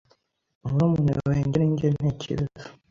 murumune wenjye erige nte kibezo